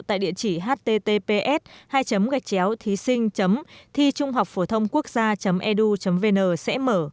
tại địa chỉ https hai gạch chéo thí sinh thi trunghocphổthongquốc gia edu vn sẽ mở